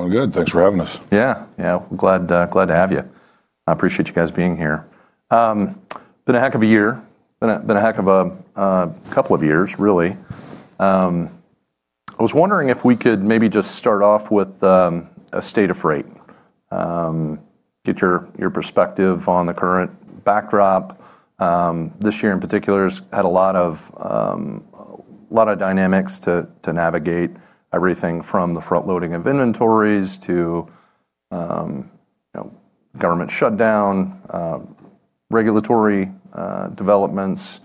Doing good. Thanks for having us. Yeah, yeah. Glad to have you. I appreciate you guys being here. It's been a heck of a year. It's been a heck of a couple of years, really. I was wondering if we could maybe just start off with a state of freight. Get your perspective on the current backdrop. This year, in particular, has had a lot of dynamics to navigate, everything from the front-loading of Inventories to Government Shutdown, Regulatory Developments,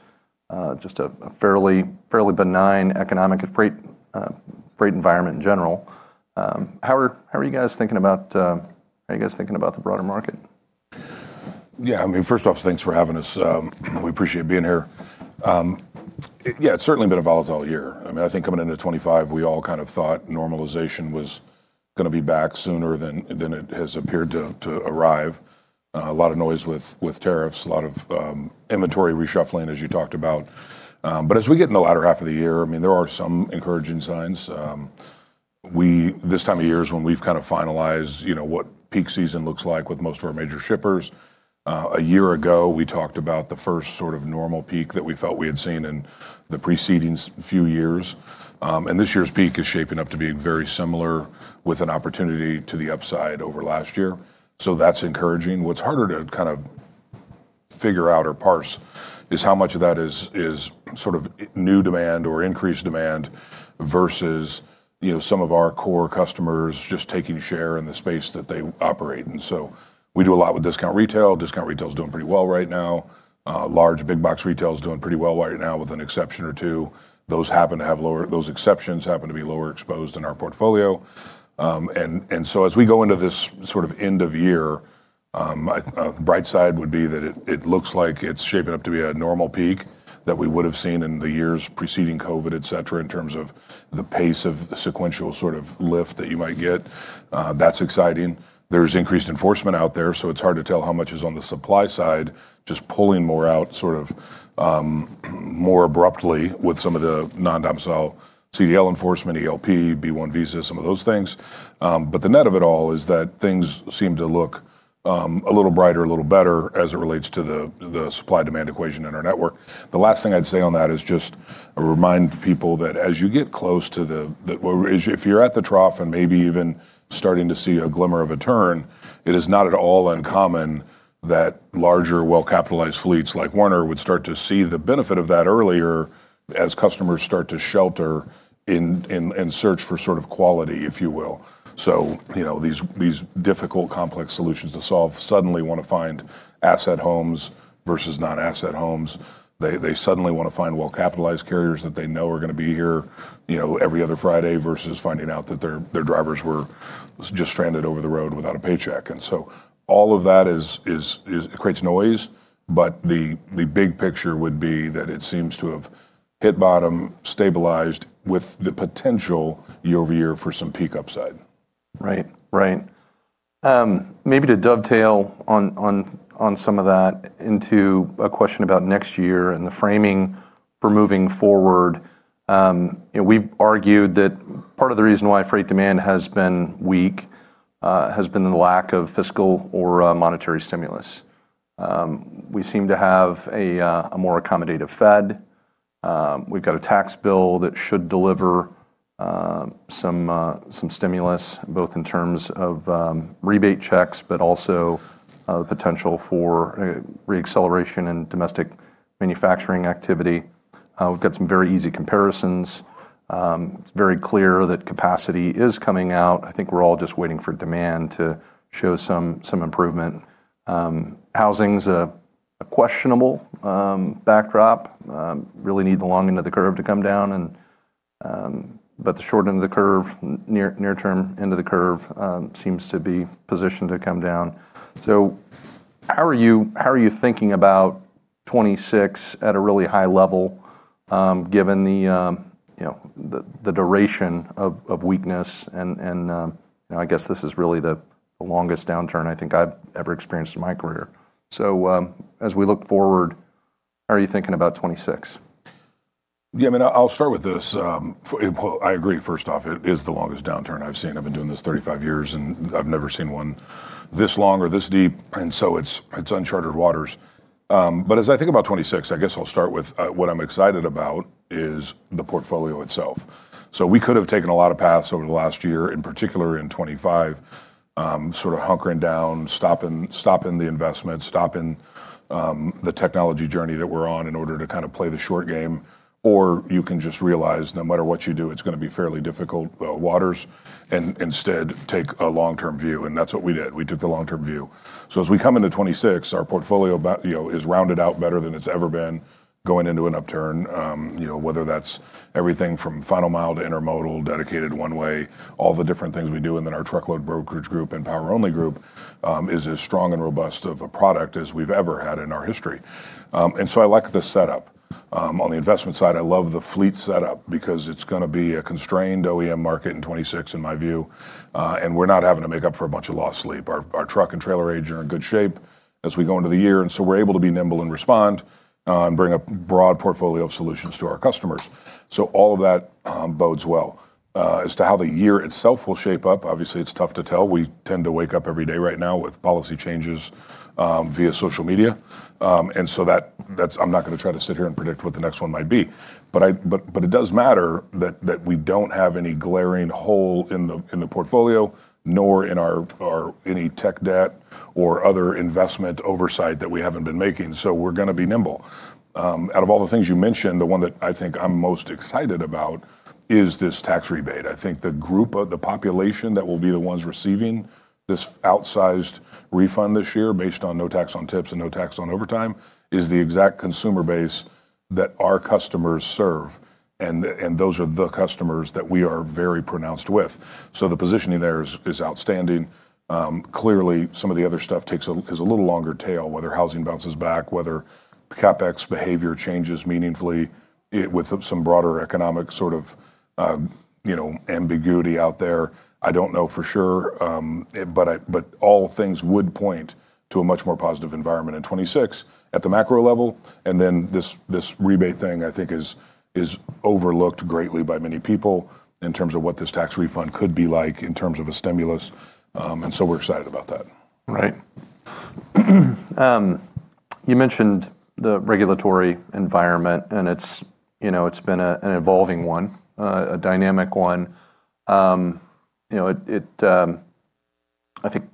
just a fairly benign Economic Freight Environment in general. How are you guys thinking about the Broader Market? Yeah, I mean, first off, thanks for having us. We appreciate being here. Yeah, it's certainly been a volatile year. I mean, I think coming into 2025, we all kind of thought Normalization was going to be back sooner than it has appeared to arrive. A lot of noise with tariffs, a lot of Inventory Reshuffling, as you talked about. As we get in the latter half of the year, I mean, there are some encouraging signs. This time of year is when we've kind of finalized what peak season looks like with most of our major shippers. A year ago, we talked about the first sort of normal peak that we felt we had seen in the preceding few years. This year's peak is shaping up to be very similar, with an opportunity to the upside over last year. That's encouraging. What's harder to kind of figure out or parse is how much of that is sort of New Demand or Increased Demand versus some of our Core Customers just taking share in the space that they operate. We do a lot with Discount Retail. Discount Retail is doing pretty well right now. Large Big-Box Retail is doing pretty well right now, with an exception or two. Those exceptions happen to be lower exposed in our portfolio. As we go into this sort of end of year, a bright side would be that it looks like it's shaping up to be a normal peak that we would have seen in the years preceding COVID, etc, in terms of the pace of sequential sort of lift that you might get. That's exciting. There's increased Enforcement out there. It's hard to tell how much is on the supply side, just pulling more out sort of more abruptly with some of the Non-Domicile CDL Enforcement, ELP, B-1 Visas, some of those things. The net of it all is that things seem to look a little brighter, a little better as it relates to the supply-demand equation in our network. The last thing I'd say on that is just remind people that as you get close to the, if you're at the trough and maybe even starting to see a glimmer of a turn, it is not at all uncommon that larger, well-capitalized fleets like Werner would start to see the benefit of that earlier as customers start to shelter in search for sort of quality, if you will. These difficult, complex solutions to solve suddenly want to find asset homes versus non-asset homes. They suddenly want to find well-capitalized carriers that they know are going to be here every other Friday versus finding out that their drivers were just stranded over the road without a paycheck. All of that creates noise. The big picture would be that it seems to have hit bottom, stabilized with the potential year over year for some peak upside. Right, right. Maybe to dovetail on some of that into a question about next year and the framing for moving forward, we've argued that part of the reason why freight demand has been weak has been the lack of fiscal or monetary stimulus. We seem to have a more accommodative Fed. We've got a Tax Bill that should deliver some stimulus, both in terms of Rebate Checks, but also the potential for reacceleration in Domestic Manufacturing Activity. We've got some very easy comparisons. It's very clear that capacity is coming out. I think we're all just waiting for demand to show some improvement. Housing's a questionable backdrop. Really need the long end of the curve to come down. The short end of the curve, near-term end of the curve, seems to be positioned to come down. How are you thinking about 2026 at a really high level, given the duration of weakness? I guess this is really the longest downturn I think I've ever experienced in my career. As we look forward, how are you thinking about 2026? Yeah, I mean, I'll start with this. I agree, first off, it is the longest Downturn I've seen. I've been doing this 35 years, and I've never seen one this long or this deep. It's unchartered waters. As I think about 2026, I guess I'll start with what I'm excited about is the Portfolio itself. We could have taken a lot of paths over the last year, in particular in 2025, sort of hunkering down, stopping the investment, stopping the technology journey that we're on in order to kind of play the short game. You can just realize, no matter what you do, it's going to be fairly difficult waters and instead take a long-term view. That's what we did. We took the long-term view. As we come into 2026, our Portfolio is rounded out better than it's ever been going into an upturn, whether that's everything from Final Mile to Intermodal, dedicated, one-way, all the different things we do. Our Truckload brokerage group and power-only group is as strong and robust of a product as we've ever had in our history. I like the setup. On the investment side, I love the fleet setup because it's going to be a constrained OEM Market in 2026, in my view. We're not having to make up for a bunch of lost sleep. Our Truck and Trailer age are in good shape as we go into the year. We're able to be nimble and respond and bring a broad portfolio of solutions to our customers. All of that bodes well as to how the year itself will shape up. Obviously, it's tough to tell. We tend to wake up every day right now with policy changes via social media. I'm not going to try to sit here and predict what the next one might be. It does matter that we don't have any glaring hole in the portfolio, nor any tech debt or other investment oversight that we haven't been making. We're going to be nimble. Out of all the things you mentioned, the one that I think I'm most excited about is this tax rebate. I think the group, the population that will be the ones receiving this outsized refund this year based on no tax on tips and no tax on overtime is the exact consumer base that our customers serve. Those are the customers that we are very pronounced with. The positioning there is outstanding. Clearly, some of the other stuff is a little longer tail, whether housing bounces back, whether CapEx behavior changes meaningfully with some broader economic sort of ambiguity out there. I do not know for sure. All things would point to a much more positive environment in 2026 at the macro level. This rebate thing, I think, is overlooked greatly by many people in terms of what this tax refund could be like in terms of a Stimulus. We are excited about that. Right. You mentioned the regulatory environment. It has been an evolving one, a dynamic one. I think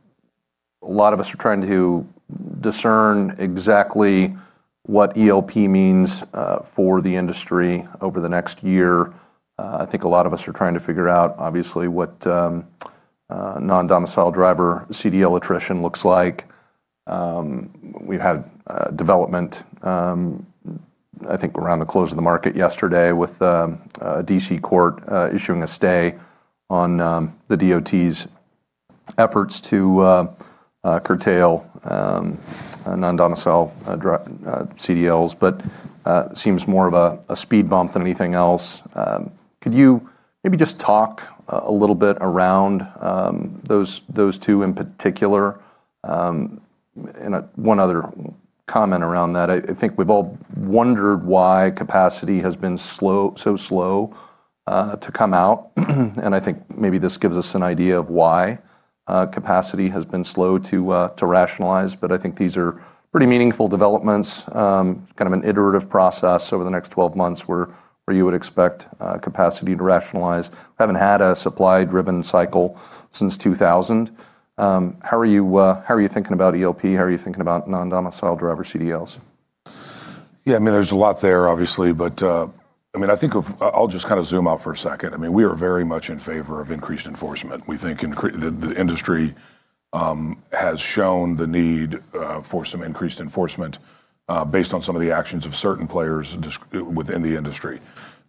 a lot of us are trying to discern exactly what ELP means for the industry over the next year. I think a lot of us are trying to figure out, obviously, what Non-Domicile driver CDL Attrition looks like. We had development, I think, around the close of the market yesterday with a D.C. Court issuing a stay on the DOT's efforts to curtail Non-Domicile CDLs. It seems more of a speed bump than anything else. Could you maybe just talk a little bit around those two in particular? One other comment around that. I think we have all wondered why capacity has been so slow to come out. I think maybe this gives us an idea of why capacity has been slow to rationalize. I think these are pretty meaningful developments, kind of an iterative process over the next 12 months where you would expect capacity to rationalize. We haven't had a supply-driven cycle since 2000. How are you thinking about ELP? How are you thinking about Non-Domicile Driver CDLs? Yeah, I mean, there's a lot there, obviously. I mean, I think I'll just kind of zoom out for a second. I mean, we are very much in favor of Increased Enforcement. We think the industry has shown the need for some Increased Enforcement based on some of the actions of certain players within the industry.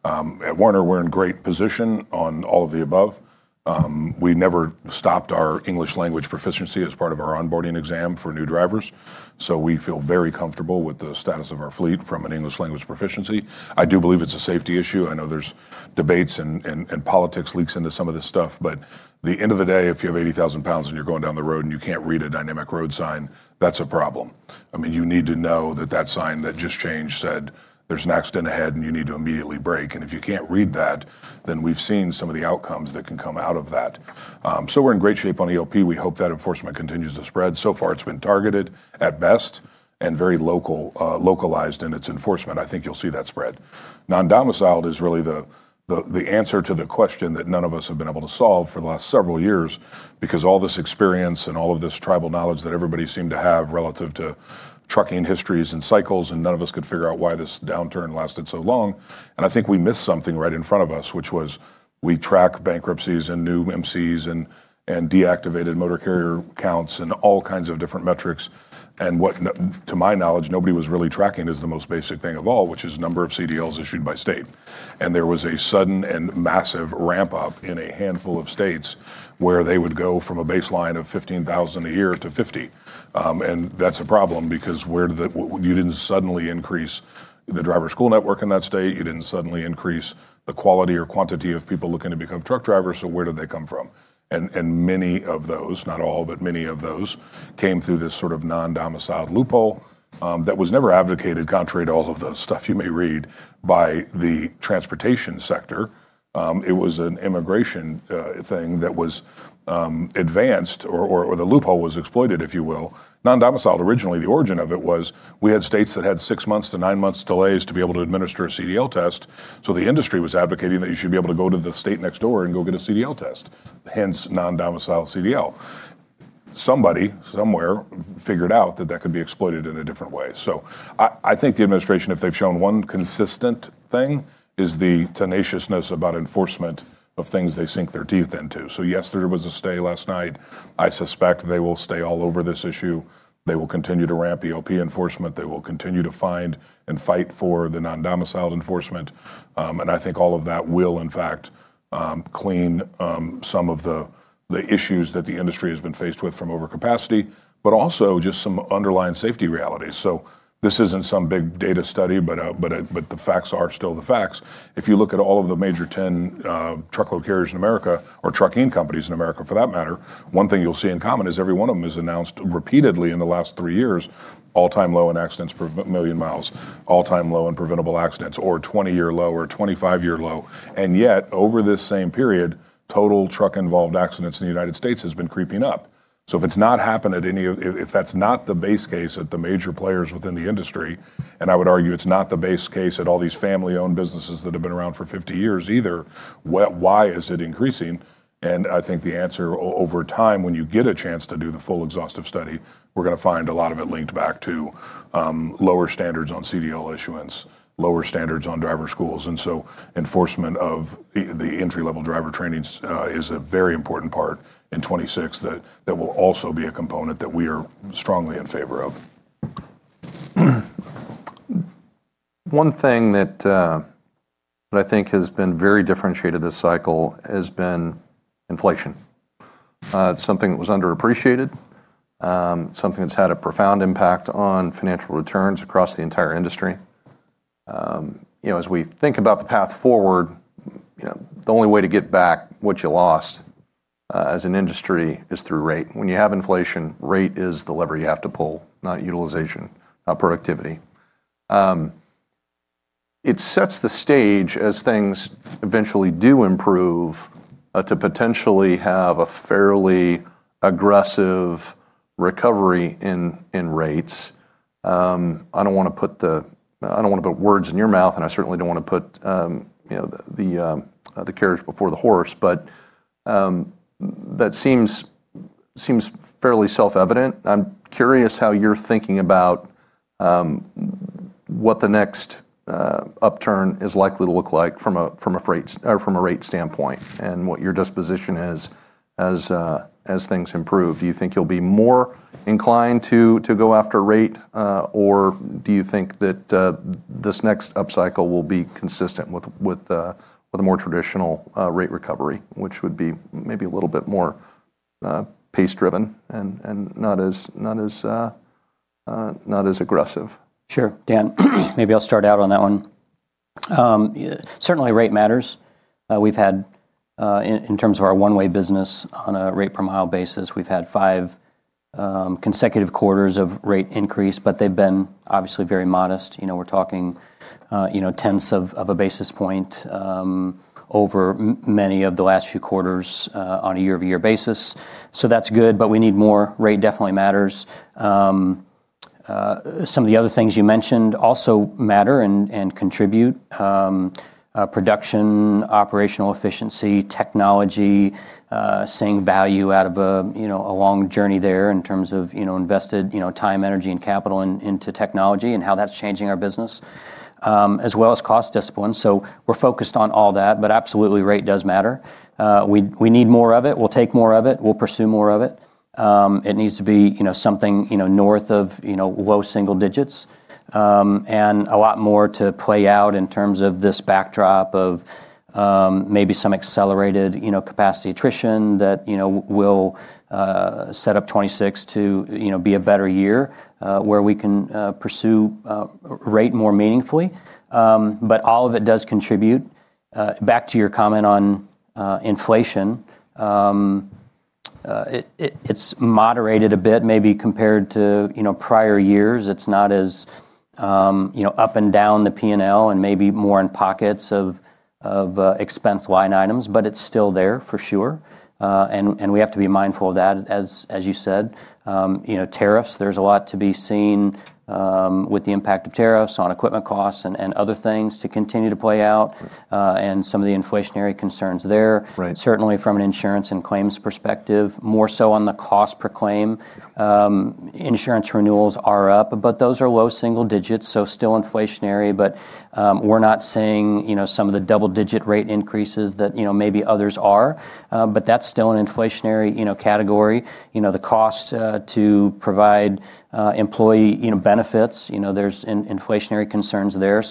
At Werner, we're in great position on all of the above. We never stopped our English Language Proficiency as part of our onboarding exam for new drivers. We feel very comfortable with the status of our fleet from an English Language Proficiency. I do believe it's a safety issue. I know there's debates and politics leaks into some of this stuff. At the end of the day, if you have 80,000 lbs and you're going down the road and you can't read a dynamic road sign, that's a problem. I mean, you need to know that that sign that just changed said there's an accident ahead and you need to immediately brake. If you can't read that, then we've seen some of the outcomes that can come out of that. We're in great shape on ELP. We hope that Enforcement continues to spread. So far, it's been targeted at best and very localized in its Enforcement. I think you'll see that spread. Non-Domicile is really the answer to the question that none of us have been able to solve for the last several years because all this experience and all of this tribal knowledge that everybody seemed to have relative to Trucking histories and cycles, and none of us could figure out why this downturn lasted so long. I think we missed something right in front of us, which was we track bankruptcies and new MCs and deactivated Motor Carrier Counts and all kinds of different metrics. To my knowledge, nobody was really tracking the most basic thing of all, which is number of CDLs issued by state. There was a sudden and massive ramp-up in a handful of states where they would go from a baseline of 15,000 a year to 50,000. That's a problem because you didn't suddenly increase the driver school network in that state. You didn't suddenly increase the quality or quantity of people looking to become Truck drivers. Where did they come from? Many of those, not all, but many of those came through this sort of Non-Domicile loophole that was never advocated, contrary to all of the stuff you may read, by the Transportation Sector. It was an immigration thing that was advanced, or the loophole was exploited, if you will. Non-Domicile, originally, the origin of it was we had states that had six-month to nine-month delays to be able to administer a CDL Test. The industry was advocating that you should be able to go to the state next door and go get a CDL Test, hence Non-Domicile CDL. Somebody somewhere figured out that that could be exploited in a different way. I think the administration, if they've shown one consistent thing, is the tenaciousness about Enforcement of things they sink their teeth into. Yes, there was a stay last night. I suspect they will stay all over this issue. They will continue to ramp ELP Enforcement. They will continue to find and fight for the Non-Domicile Enforcement. I think all of that will, in fact, clean some of the issues that the industry has been faced with from overcapacity, but also just some underlying safety realities. This isn't some big data study, but the facts are still the facts. If you look at all of the major 10 Truckload Carriers in America or Trucking Companies in America for that matter, one thing you'll see in common is every one of them has announced repeatedly in the last three years, all-time low in accidents per million miles, all-time low in preventable accidents, or 20-year low or 25-year low. Yet, over this same period, Total Truck-involved accidents in the United States has been creeping up. If it's not happened at any of, if that's not the base case at the major players within the industry, and I would argue it's not the base case at all these family-owned businesses that have been around for 50 years either, why is it increasing? I think the answer over time, when you get a chance to do the full exhaustive study, we're going to find a lot of it linked back to lower standards on CDL Issuance, lower standards on Driver Schools. Enforcement of the Entry-Level Driver Training is a very important part in 2026 that will also be a component that we are strongly in favor of. One thing that I think has been very differentiated this cycle has been Inflation. It's something that was underappreciated, something that's had a profound impact on financial returns across the entire industry. As we think about the path forward, the only way to get back what you lost as an industry is through rate. When you have inflation, rate is the lever you have to pull, not utilization, not productivity. It sets the stage, as things eventually do improve, to potentially have a fairly aggressive recovery in rates. I don't want to put words in your mouth, and I certainly don't want to put the carriage before the horse. That seems fairly self-evident. I'm curious how you're thinking about what the next upturn is likely to look like from a rate standpoint and what your disposition is as things improve. Do you think you'll be more inclined to go after rate, or do you think that this next upcycle will be consistent with the more traditional rate recovery, which would be maybe a little bit more pace-driven and not as aggressive? Sure, Dan. Maybe I'll start out on that one. Certainly, rate matters. We've had, in terms of our one-way business on a rate-per-mile basis, we've had five consecutive quarters of rate increase, but they've been obviously very modest. We're talking tenths of a basis point over many of the last few quarters on a year-over-year basis. That's good, but we need more. Rate definitely matters. Some of the other things you mentioned also matter and contribute: Production, Operational Efficiency, Technology, seeing value out of a long journey there in terms of invested time, energy, and capital into technology and how that's changing our business, as well as Cost Discipline. We're focused on all that. Absolutely, rate does matter. We need more of it. We'll take more of it. We'll pursue more of it. It needs to be something north of low single digits and a lot more to play out in terms of this backdrop of maybe some accelerated capacity attrition that will set up 2026 to be a better year where we can pursue rate more meaningfully. All of it does contribute. Back to your comment on inflation, it's moderated a bit maybe compared to prior years. It's not as up and down the P&L and maybe more in pockets of expense line items, but it's still there for sure. We have to be mindful of that, as you said. Tariffs, there's a lot to be seen with the impact of tariffs on equipment costs and other things to continue to play out and some of the Inflationary concerns there, certainly from an insurance and claims perspective, more so on the cost-per -claim. Insurance Renewals are up, but those are low single digits, so still Inflationary. We are not seeing some of the double-digit rate increases that maybe others are. That is still an Inflationary category. The cost to provide employee benefits, there are Inflationary concerns there.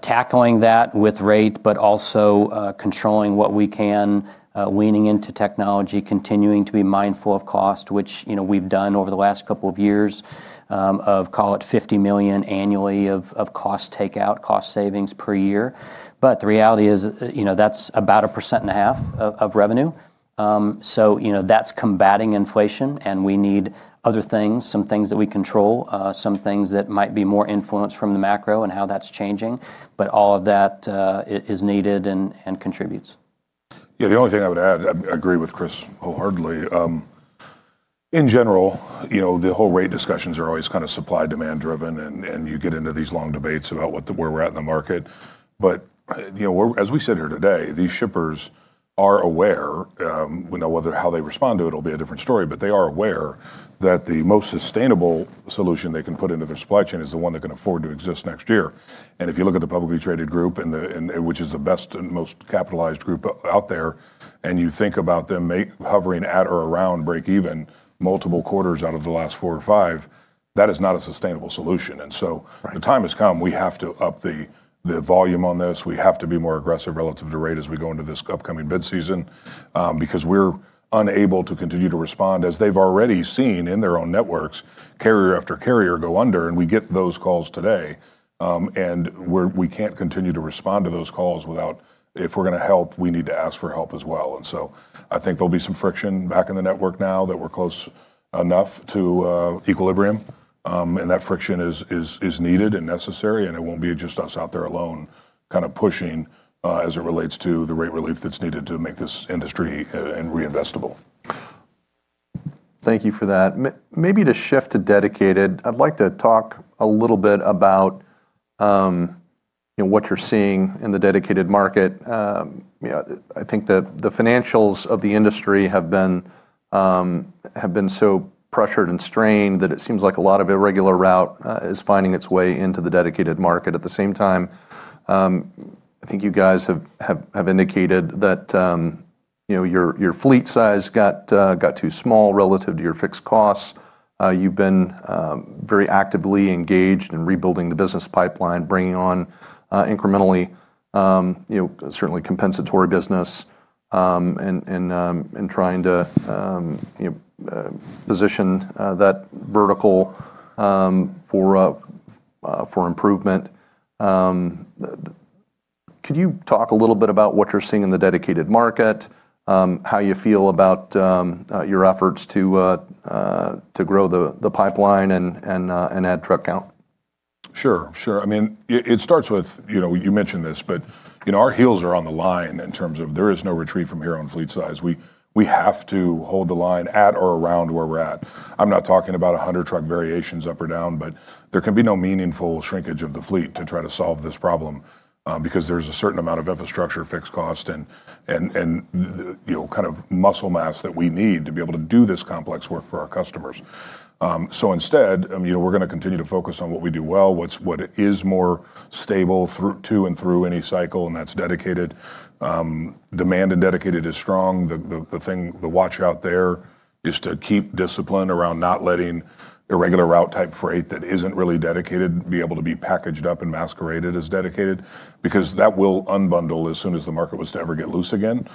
Tackling that with rate, but also controlling what we can, leaning into technology, continuing to be mindful of cost, which we have done over the last couple of years of, call it, $50 million annually of cost takeout, cost savings per year. The reality is that is about 1.5% of Revenue. That is combating Inflation. We need other things, some things that we control, some things that might be more influenced from the macro and how that is changing. All of that is needed and contributes. Yeah, the only thing I would add, I agree with Chris wholeheartedly. In general, the whole rate discussions are always kind of supply-demand-driven. You get into these long debates about where we're at in the market. As we sit here today, these shippers are aware. We know how they respond to it will be a different story. They are aware that the most sustainable solution they can put into their supply chain is the one that can afford to exist next year. If you look at the publicly traded group, which is the best and most capitalized group out there, and you think about them hovering at or around break-even multiple quarters out of the last four or five, that is not a sustainable solution. The time has come. We have to up the volume on this. We have to be more aggressive relative to rate as we go into this upcoming bid season because we're unable to continue to respond, as they've already seen in their own networks, carrier after carrier go under. We get those calls today. We can't continue to respond to those calls without, if we're going to help, we need to ask for help as well. I think there'll be some friction back in the network now that we're close enough to equilibrium. That friction is needed and necessary. It won't be just us out there alone kind of pushing as it relates to the rate relief that's needed to make this industry reinvestable. Thank you for that. Maybe to shift to dedicated, I'd like to talk a little bit about what you're seeing in the dedicated market. I think the financials of the industry have been so pressured and strained that it seems like a lot of irregular route is finding its way into the dedicated market. At the same time, I think you guys have indicated that your fleet size got too small relative to your Fixed Costs. You've been very actively engaged in rebuilding the business pipeline, bringing on incrementally certainly compensatory business and trying to position that vertical for improvement. Could you talk a little bit about what you're seeing in the dedicated market, how you feel about your efforts to grow the pipeline and add Truck Count? Sure, sure. I mean, it starts with you mentioned this. But our heels are on the line in terms of there is no retreat from here on fleet size. We have to hold the line at or around where we're at. I'm not talking about 100 Truck variations up or down, but there can be no meaningful shrinkage of the fleet to try to solve this problem because there's a certain amount of Infrastructure, Fixed Cost, and kind of muscle mass that we need to be able to do this complex work for our customers. So instead, we're going to continue to focus on what we do well, what is more stable to and through any cycle, and that's dedicated. Demand in dedicated is strong. The watch-out there is to keep discipline around not letting irregular route type freight that isn't really dedicated be able to be packaged up and masqueraded as dedicated because that will unbundle as soon as the market was to ever get loose again.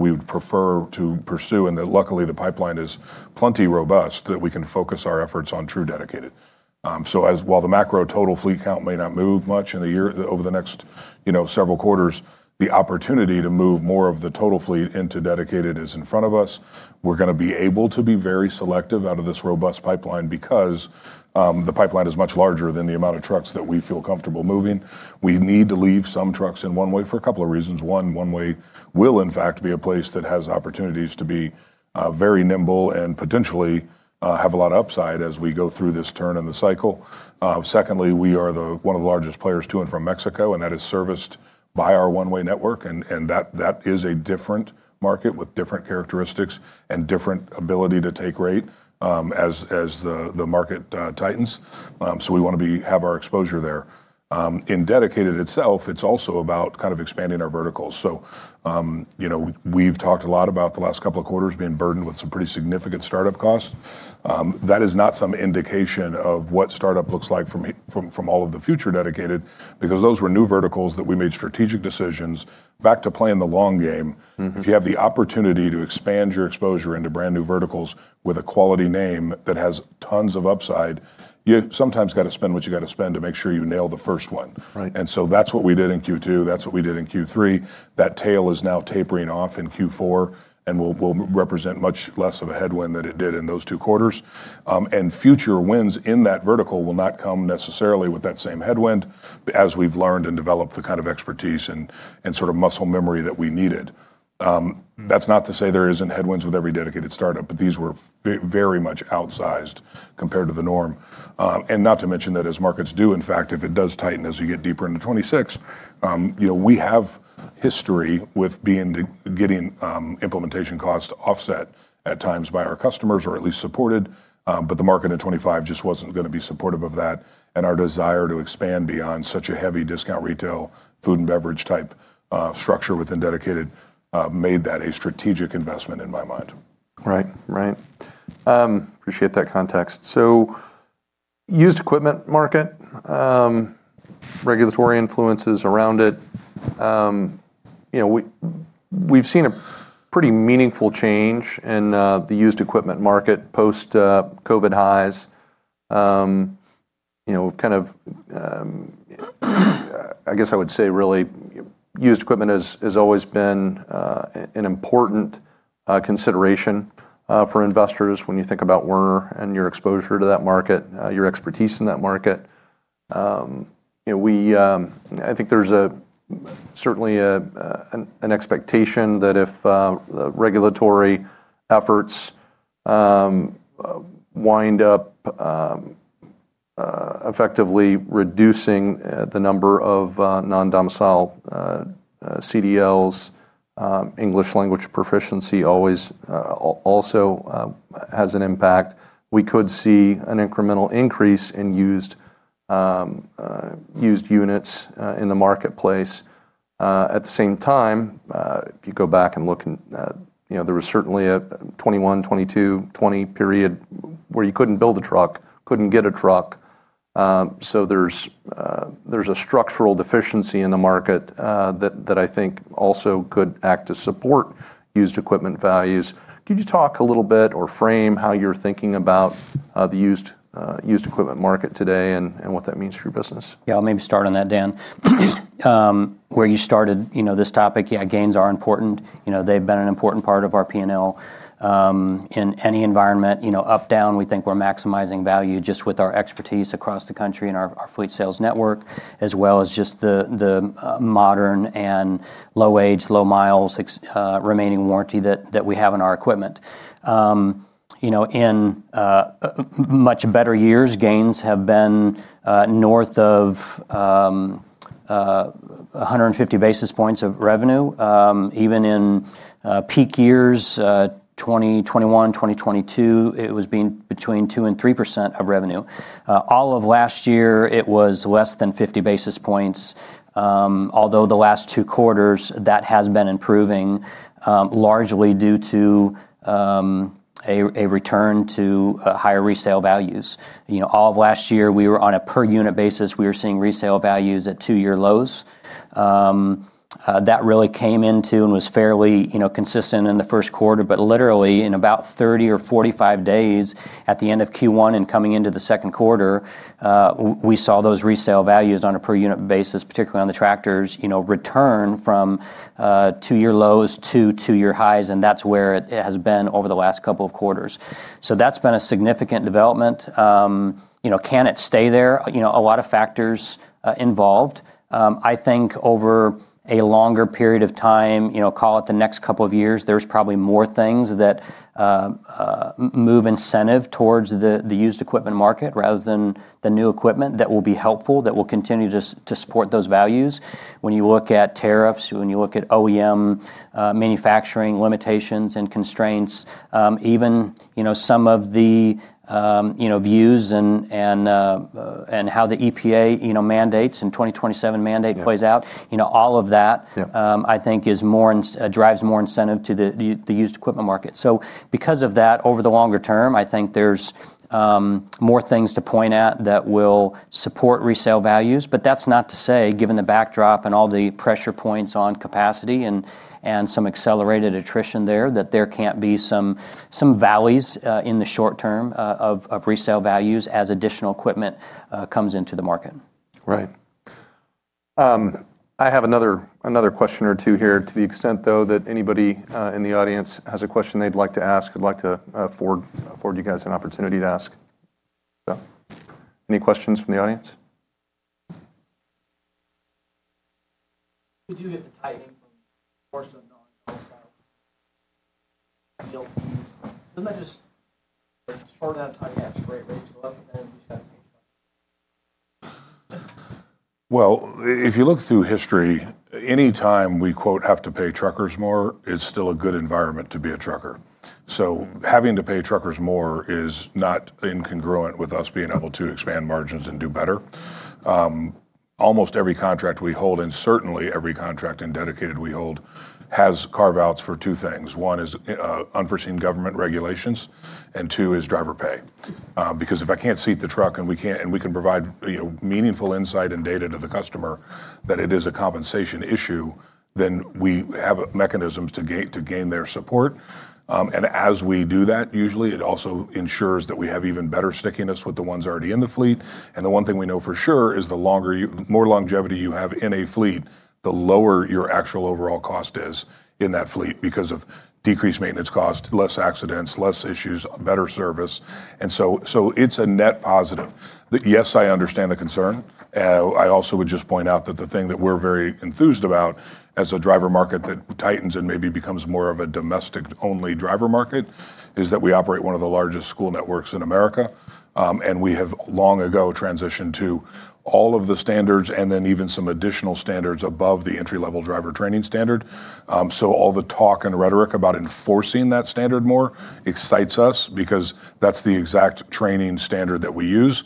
We would prefer to pursue, and luckily, the pipeline is plenty robust that we can focus our efforts on true dedicated. While the macro total fleet count may not move much over the next several quarters, the opportunity to move more of the total fleet into dedicated is in front of us. We're going to be able to be very selective out of this robust pipeline because the pipeline is much larger than the amount of Trucks that we feel comfortable moving. We need to leave some Trucks in one way for a couple of reasons. One-way will, in fact, be a place that has opportunities to be very nimble and potentially have a lot of upside as we go through this turn in the cycle. Secondly, we are one of the largest players to and from Mexico, and that is serviced by our one-way network. That is a different market with different characteristics and different ability to take rate as the market tightens. We want to have our exposure there. In dedicated itself, it's also about kind of expanding our verticals. We've talked a lot about the last couple of quarters being burdened with some pretty significant startup costs. That is not some indication of what startup looks like from all of the future dedicated because those were new verticals that we made strategic decisions back to playing the long game. If you have the opportunity to expand your exposure into brand new verticals with a quality name that has tons of upside, you sometimes got to spend what you got to spend to make sure you nail the first one. That is what we did in Q2. That is what we did in Q3. That tail is now tapering off in Q4 and will represent much less of a headwind than it did in those two quarters. Future wins in that vertical will not come necessarily with that same headwind as we have learned and developed the kind of expertise and sort of muscle memory that we needed. That is not to say there are not headwinds with every dedicated startup, but these were very much outsized compared to the norm. Not to mention that as markets do, in fact, if it does tighten as you get deeper into 2026, we have history with getting implementation costs offset at times by our customers or at least supported. The market in 2025 just was not going to be supportive of that. Our desire to expand beyond such a heavy discount retail food and beverage type structure within dedicated made that a strategic investment in my mind. Right, right. Appreciate that context. Used equipment market, regulatory influences around it. We've seen a pretty meaningful change in the used equipment market post-COVID Highs. Kind of, I guess I would say, really used equipment has always been an important consideration for investors when you think about Werner and your exposure to that market, your expertise in that market. I think there's certainly an expectation that if regulatory efforts wind up effectively reducing the number of Non-Domicile CDLs, English Language Proficiency always also has an impact. We could see an incremental increase in used units in the marketplace. At the same time, if you go back and look, there was certainly a 2021, 2022, 2023 period where you couldn't build a Truck, couldn't get a Truck. There's a structural deficiency in the market that I think also could act to support used equipment values. Could you talk a little bit or frame how you're thinking about the used equipment market today and what that means for your business? Yeah, I'll maybe start on that, Dan. Where you started this topic, yeah, gains are important. They've been an important part of our P&L in any environment. Up down, we think we're maximizing value just with our expertise across the country and our Fleet Sales Network, as well as just the modern and low age, low miles remaining warranty that we have in our equipment. In much better years, gains have been north of 150 basis points of revenue. Even in peak years, 2021, 2022, it was between 2% and 3% of revenue. All of last year, it was less than 50 basis points. Although the last two quarters, that has been improving largely due to a return to higher resale values. All of last year, we were on a per unit basis. We were seeing resale values at two-year lows. That really came into and was fairly consistent in the first quarter. Literally, in about 30 or 45 days at the end of Q1 and coming into the second quarter, we saw those resale values on a per unit basis, particularly on the tractors, return from two-year lows to two-year highs. That is where it has been over the last couple of quarters. That has been a significant development. Can it stay there? A lot of factors involved. I think over a longer period of time, call it the next couple of years, there are probably more things that move incentive towards the used equipment market rather than the new equipment that will be helpful, that will continue to support those values. When you look at tariffs, when you look at OEM Manufacturing limitations and constraints, even some of the views and how the EPA mandates and 2027 mandate plays out, all of that, I think, drives more incentive to the used equipment market. Because of that, over the longer term, I think there's more things to point at that will support resale values. That's not to say, given the backdrop and all the pressure points on capacity and some accelerated attrition there, that there can't be some valleys in the short term of resale values as additional equipment comes into the market. Right. I have another question or two here. To the extent, though, that anybody in the audience has a question they'd like to ask, I'd like to afford you guys an opportunity to ask. Any questions from the audience? Did you get the tightening from the course of Non-Domicile? Doesn't that just shorten that tight, that's a great raise to go up. If you look through history, any time we quote have to pay Truckers more, it's still a good environment to be a Trucker. Having to pay Truckers more is not incongruent with us being able to expand margins and do better. Almost every contract we hold, and certainly every contract in dedicated we hold, has carve-outs for two things. One is unforeseen government regulations, and two is driver pay. Because if I can't seat the Truck and we can provide meaningful insight and data to the customer that it is a compensation issue, then we have mechanisms to gain their support. As we do that, usually, it also ensures that we have even better stickiness with the ones already in the fleet. The one thing we know for sure is the more longevity you have in a fleet, the lower your actual overall Cost is in that Fleet because of decreased Maintenance Cost, less accidents, less issues, better service. It is a net positive. Yes, I understand the concern. I also would just point out that the thing that we are very enthused about as a driver market that tightens and maybe becomes more of a domestic-only driver market is that we operate one of the largest school networks in America. We have long ago transitioned to all of the standards and then even some additional standards above the entry-level driver training standard. All the talk and rhetoric about enforcing that standard more excites us because that is the exact training standard that we use,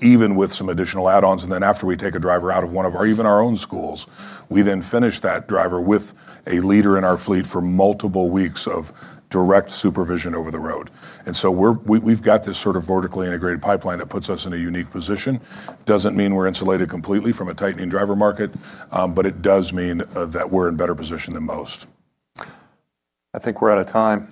even with some additional add-ons. After we take a driver out of even our own schools, we then finish that driver with a leader in our fleet for multiple weeks of direct supervision over the road. We have this sort of vertically integrated pipeline that puts us in a unique position. It does not mean we are insulated completely from a tightening driver market, but it does mean that we are in better position than most. I think we're out of time.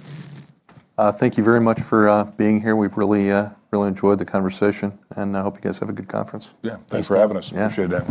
Thank you very much for being here. We've really enjoyed the conversation, and I hope you guys have a good conference. Yeah, thanks for having us. Appreciate that.